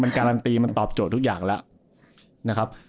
มันการันตีมันตอบโจทย์ทุกอย่างละ